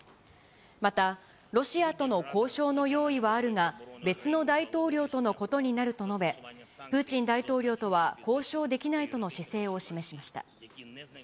またロシアとの交渉の用意はあるが、別の大統領とのことになると述べ、プーチン大統領とは交渉できないとの姿勢を示しました。